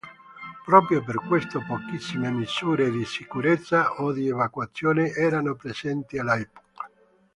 Proprio per questo pochissime misure di sicurezza o di evacuazione erano presenti all'epoca.